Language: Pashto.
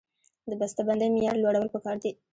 د بسته بندۍ معیار لوړول پکار دي